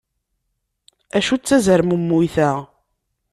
Acu d tazermemmuyt-a?